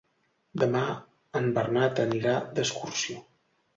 Demà en Bernat anirà d'excursió.